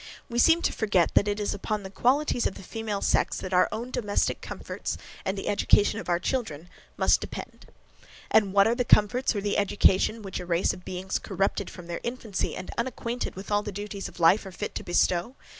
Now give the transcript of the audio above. We seem to forget, that it is upon the qualities of the female sex, that our own domestic comforts and the education of our children must depend. And what are the comforts or the education which a race of beings corrupted from their infancy, and unacquainted with all the duties of life, are fitted to bestow?